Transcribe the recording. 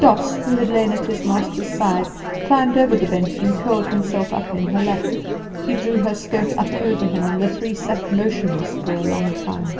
Doss, who had lain at his master's side, climbed over the bench, and curled himself up in her lap. She drew her skirt up over him, and the three sat motionless for a long time.